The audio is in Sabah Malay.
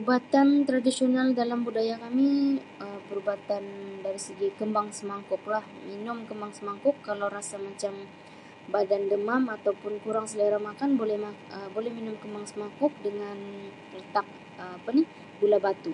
Ubatan tradisional dalam budaya kami Um perubatan dari segi kembang semangkuk lah minum kembang semangkuk kalau rasa macam badan demam atau pun kurang selera makan boleh lah Um boleh minum kembang semangkuk dengan letak apa ni gula batu.